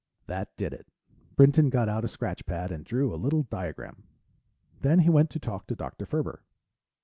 That did it. Brinton got out a scratch pad and drew a little diagram. Then he went to talk to Dr. Ferber.